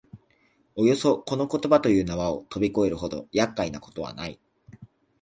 およそこの言葉という縄をとび越えるほど厄介なことはない